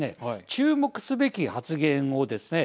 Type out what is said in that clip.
注目すべき発言をですね